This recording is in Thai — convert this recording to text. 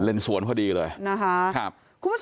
เลนส์สวนพอดีเลยนะฮะครับ